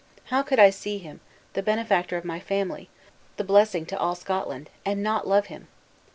How could I see him, the benefactor of my family, the blessing to all Scotland, and not love him?"